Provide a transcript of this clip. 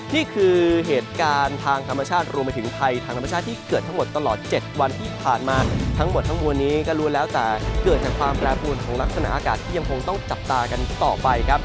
นี่คือเหตุการณ์ทางธรรมชาติรวมไปถึงภัยทางธรรมชาติที่เกิดทั้งหมดตลอด๗วันที่ผ่านมาทั้งหมดทั้งมวลนี้ก็ล้วนแล้วแต่เกิดจากความแปรปวนของลักษณะอากาศที่ยังคงต้องจับตากันต่อไปครับ